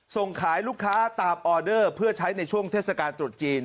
ส่งขายลูกค้าตามออเดอร์เพื่อใช้ในช่วงเทศกาลตรุษจีน